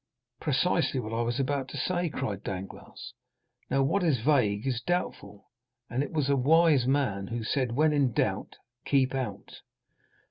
"Precisely what I was about to say," cried Danglars. "Now what is vague is doubtful; and it was a wise man who said, 'when in doubt, keep out.